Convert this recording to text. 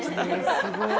すごい。